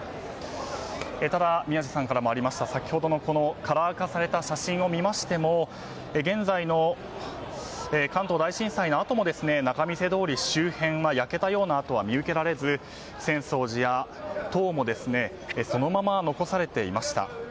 ただ、宮司さんからもありました先ほどのカラー化された写真を見ましても関東大震災のあとも仲見世通り周辺は焼けたような跡は見受けられず浅草寺や塔もそのまま残されていました。